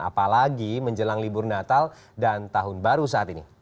apalagi menjelang libur natal dan tahun baru saat ini